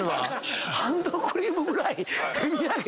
ハンドクリームぐらい手土産で。